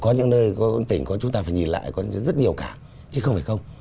có những nơi có những tỉnh chúng ta phải nhìn lại có rất nhiều cảng chứ không phải không